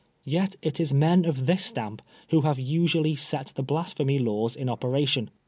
Yet it is men of this stamp who have usually set the Blasphemy Laws in operation.